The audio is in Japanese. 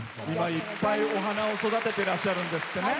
いっぱいお花を育ててらっしゃるんですってね。